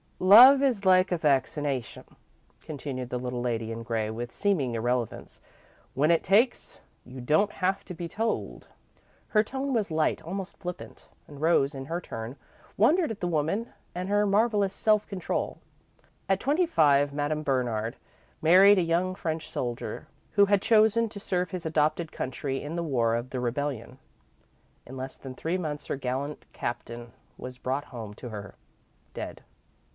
"Love is like a vaccination," continued the little lady in grey, with seeming irrelevance. "When it takes, you don't have to be told." Her tone was light, almost flippant, and Rose, in her turn, wondered at the woman and her marvellous self control. At twenty five, Madame Bernard married a young French soldier, who had chosen to serve his adopted country in the War of the Rebellion. In less than three months, her gallant Captain was brought home to her dead.